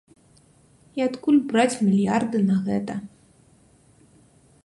І адкуль браць мільярды на гэта.